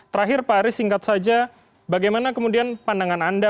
terakhir pak aris singkat saja bagaimana kemudian pandangan anda